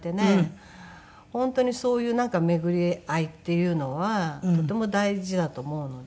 本当にそういう巡り合いっていうのはとても大事だと思うので。